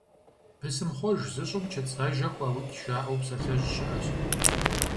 «Бысымхъуэж зыщӀым чыцӀ ажэ хуаукӀ», - жаӀэу псалъэжь щыӀэщ.